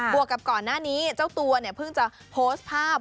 วกกับก่อนหน้านี้เจ้าตัวเนี่ยเพิ่งจะโพสต์ภาพ